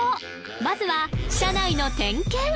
まずは車内の点検！